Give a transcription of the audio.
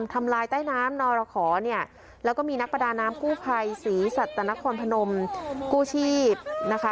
ทำลายใต้น้ำนรขอเนี่ยแล้วก็มีนักประดาน้ำกู้ภัยศรีสัตนครพนมกู้ชีพนะคะ